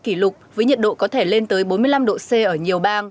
kỷ lục với nhiệt độ có thể lên tới bốn mươi năm độ c ở nhiều bang